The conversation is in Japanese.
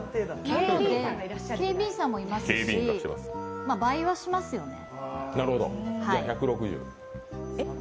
警備員さんもいますし、倍はしますよね。